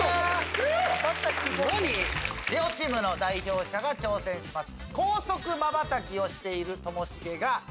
両チームの代表者が挑戦します。